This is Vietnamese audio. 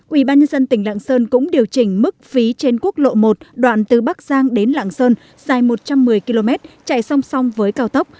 ủy ban nhân dân tỉnh lạng sơn cũng điều chỉnh mức phí trên quốc lộ một đoạn từ bắc giang đến lạng sơn dài một trăm một mươi km chạy song song với cao tốc